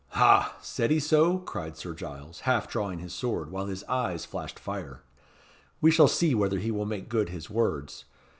"Ha! said he so?" cried Sir Giles, half drawing his sword, while his eyes flashed fire. "We shall see whether he will make good his words.